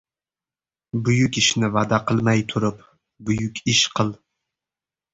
Buyuk ishni va’da qilmay turib, buyuk ish qil.